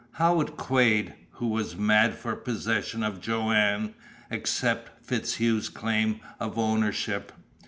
How would Quade, who was mad for possession of Joanne, accept FitzHugh's claim of ownership?